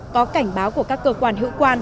có cảnh báo của các cơ quan hữu quan